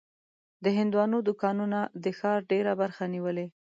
د هندوانو دوکانونه د ښار ډېره برخه نیولې.